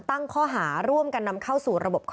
ตั้งข้อหาร่วมกันนำเข้าสู่ระบบคอ